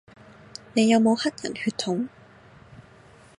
你有冇黑人血統